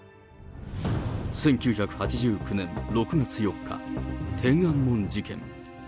１９８９年６月４日、天安門事件。